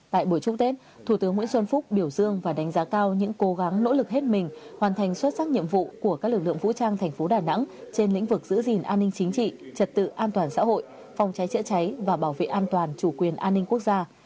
tại buổi chúc tết thủ tướng nguyễn xuân phúc biểu dương và đánh giá cao những cố gắng nỗ lực hết mình hoàn thành xuất sắc nhiệm vụ của các lực lượng vũ trang tp đà nẵng trên lĩnh vực giữ gìn an ninh chính trị trật tự an toàn xã hội phòng cháy chữa cháy và bảo vệ an toàn chủ quyền an ninh quốc gia